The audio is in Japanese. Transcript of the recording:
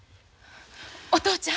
お父ちゃん。